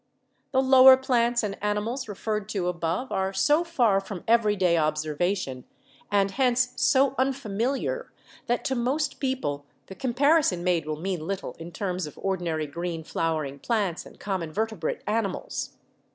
The lower plants and animals referred to above are so far from everyday observation and hence so unfamiliar that to most people the comparison made will mean little in terms of ordinary green flowering plants and common vertebrate animals.